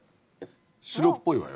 白っぽいわよ